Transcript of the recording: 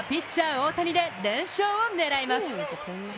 大谷で連勝を狙います。